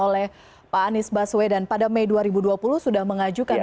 dengar apa yang disampaikan oleh pak anies baswedan pada mei dua ribu dua puluh sudah mengajukan